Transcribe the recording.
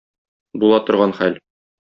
Була торган хәл.